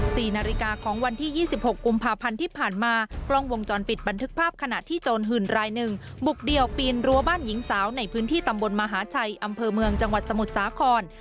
สี่นาฬิกาของวันที่ยี่สิบหกกุมภาพันธ์ที่ผ่านมากล้องวงจรปิดบันทึกภาพขณะที่โจรหื่นรายหนึ่งบุกเดี่ยวปีนรั้วบ้านหญิงสาวในพื้นที่ตำบลมหาชัยอำเภอเมืองจังหวัดสมุทรสาคร